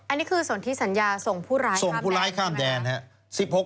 อันนี้คือสนทิสัญญาส่งผู้ร้ายข้ามแดนใช่ไหมครับ